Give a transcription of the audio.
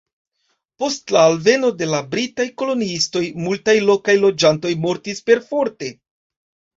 Post la alveno de la britaj koloniistoj, multaj lokaj loĝantoj mortis perforte.